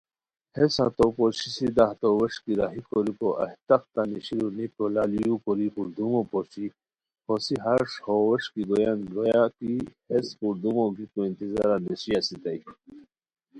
ہیس ہتو پوشی سیدھا ہتو ووݰکی راہی کوریکو، ایہہ تختہ نیشیرو ٹیکھو لال یُوکوری پردومو پوشی، ہوسی ہݰ ہو وݰکی گویان کی گُویا کی ہیس پردومو گیکو انتظارا نیشی اسیتائے